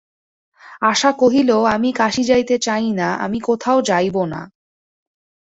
আশা কহিল, আমি কাশী যাইতে চাই না, আমি কোথাও যাইব না।